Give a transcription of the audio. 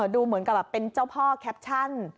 ดูเหมือนกับเป็นเจ้าพ่อแคปชั่น